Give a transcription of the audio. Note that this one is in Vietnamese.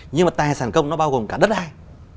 nhưng mà tài sản công nó bao gồm cả đất ai